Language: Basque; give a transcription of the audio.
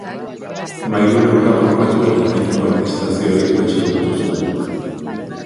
Mairuen aurka borrokatu eta erreinuko administrazio egitura sendotu zuen.